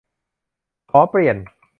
"ขอเปลี่ยน"